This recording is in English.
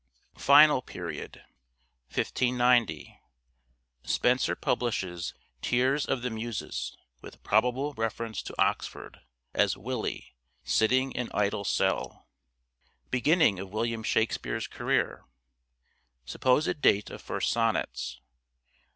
490 "SHAKESPEARE11 IDENTIFIED Final Period. 1590. Spenser publishes " Teares of the Muses " with probable reference to Oxford (as Willie) " sitting in idle cell." Beginning of William Shakspere's career. Supposed date of first sonnets.